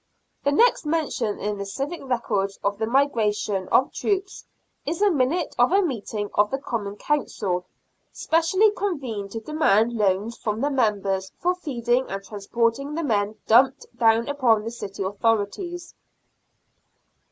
The next mention in the civic records of the migration of troops is a minute of a meeting of the Common Council, specially convened to demand loans from the members for feeding and transporting the men dumped down upon the city authorities.